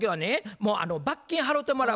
もう罰金払うてもらう。